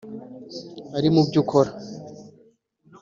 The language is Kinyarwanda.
ari mu byo ukora